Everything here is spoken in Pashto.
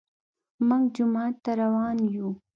موږ جومات ته روان يو